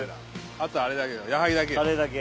あとあれだけだよ矢作だけ。